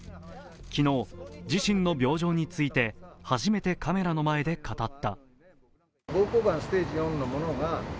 昨日、自身の病状について初めてカメラの前に語った。